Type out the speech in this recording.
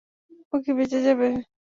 ও কী বেঁচে যাবে?